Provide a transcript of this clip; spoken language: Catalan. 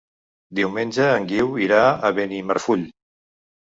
Diumenge en Guiu irà a Benimarfull.